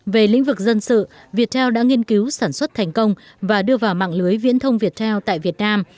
về lĩnh vực dân sự việt theo đã nghiên cứu sản xuất thành công và đưa vào mạng lưới viễn thông việt theo tại việt nam